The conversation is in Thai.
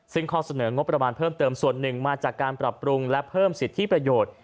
ซึ่งข้อเสนองบประมาณเพิ่มเติมส่วนหนึ่งมาจากการปรับปรุงและเพิ่มสิทธิประโยชน์